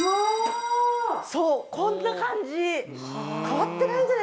そうこんな感じ。